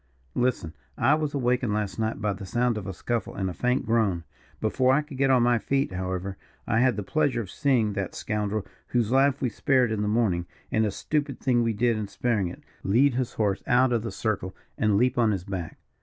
"Listen. I was awakened last night by the sound of a scuffle and a faint groan. Before I could get on my feet, however, I had the pleasure of seeing that scoundrel, whose life we spared in the morning and a stupid thing we did in sparing it lead his horse out of the circle and leap on his back.